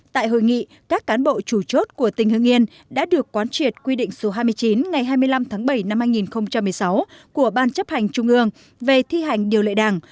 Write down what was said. tại hội nghị các cán bộ chủ chốt của tỉnh hương yên đã được quán triệt quy định số hai mươi chín ngày hai mươi năm tháng bảy năm hai nghìn một mươi sáu của ban chấp hành trung ương về thi hành điều lệ đảng